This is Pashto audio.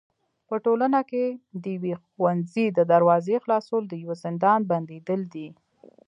په ټولنه کي د يوي ښوونځي د دروازي خلاصول د يوه زندان بنديدل دي.